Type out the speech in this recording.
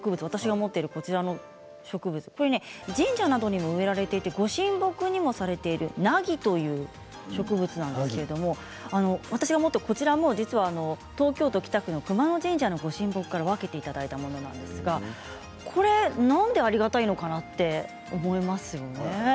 私が持っている植物神社などに植えられていてご神木にもされている梛という植物なんですけれど私が持っているこちらも実は東京都北区の熊野神社のご神木から、分けていただいたものなんですがこれ、なんでありがたいのかなって思いますよね。